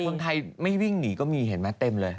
แต่คนไทยไม่วิ่งหนีก็มีเห็นมาเต็มเลย